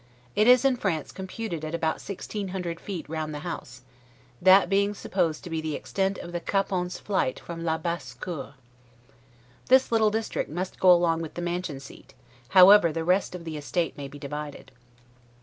It is in France computed at about 1,600 feet round the house, that being supposed to be the extent of the capon's flight from 'la basse cour'. This little district must go along with the mansion seat, however the rest of the estate may be divided.